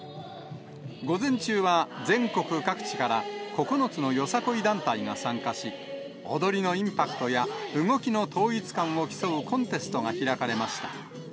午前中は全国各地から９つのよさこい団体が参加し、踊りのインパクトや動きの統一感を競うコンテストが開かれました。